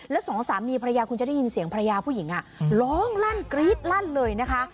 แล้วสองสามีภรรยาคุณจะได้ยินเสียงภรรยาผู้หญิงร้องลั่นกรี๊ดลั่นเลยนะคะ